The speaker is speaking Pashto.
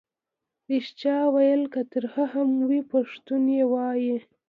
ریښتیا ویل که تریخ هم وي پښتون یې وايي.